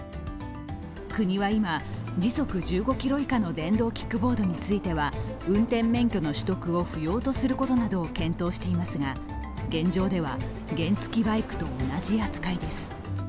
国は今、時速１５キロ以下の電動キックボードについては運転免許の取得を不要とすることなどを検討していますが、現状では、原付バイクと同じ扱いです。